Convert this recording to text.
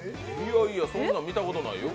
いやいや、そんな見たことないよ。